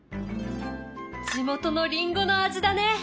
地元のりんごの味だね！